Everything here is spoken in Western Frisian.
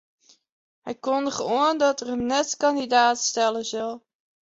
Hy kundige oan dat er him net kandidaat stelle sil.